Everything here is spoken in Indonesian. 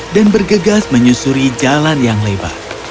dan bergegas menyusuri jalan yang lebar